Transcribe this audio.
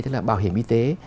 tức là bảo hiểm y tế